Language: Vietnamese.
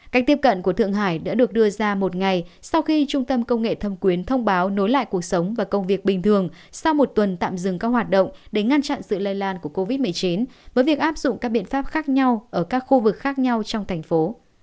cách tiếp cận của thượng hải đã được đưa ra một ngày sau khi trung tâm công nghệ thâm quyến thông báo nối lại cuộc sống và công việc bình thường sau một tuần tạm dừng các hoạt động để ngăn chặn sự lây lan của covid một mươi chín với việc áp dụng các biện pháp khác nhau ở các khu vực khác nhau trong thành phố